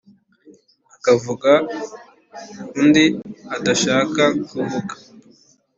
akavuga undi adashaka kuvuga